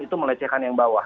itu melecehkan yang bawah